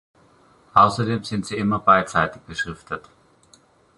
Außerdem sind sie immer beidseitig beschriftet.